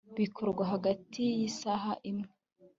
bikorwa hagati yisaha imwe